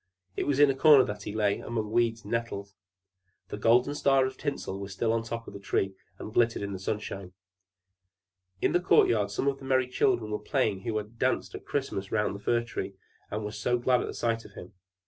It was in a corner that he lay, among weeds and nettles. The golden star of tinsel was still on the top of the Tree, and glittered in the sunshine. In the court yard some of the merry children were playing who had danced at Christmas round the Fir Tree, and were so glad at the sight of him.